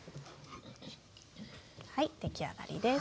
はい出来上がりです。